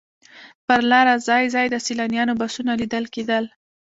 پر لاره ځای ځای د سیلانیانو بسونه لیدل کېدل.